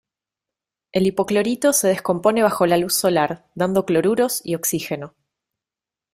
El hipoclorito se descompone bajo la luz solar, dando cloruros y oxígeno.